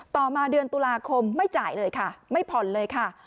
ต่อมาเดือนตุลาคมไม่จ่ายเลยค่ะไม่ผ่อนเลยค่ะ